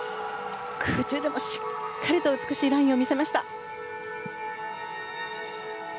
空中でもしっかりと美しいラインを見せました。